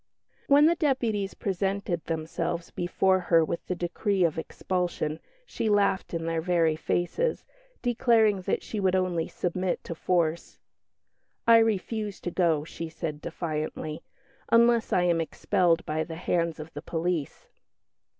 When the deputies presented themselves before her with the decree of expulsion, she laughed in their very faces, declaring that she would only submit to force. "I refuse to go," she said defiantly, "unless I am expelled by the hands of the police."